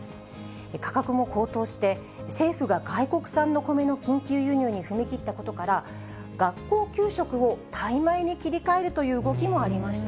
価格も高騰して、政府が外国産の米の緊急輸入に踏み切ったことから、学校給食をタイ米に切り替えるという動きもありました。